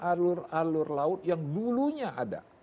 alur alur laut yang dulunya ada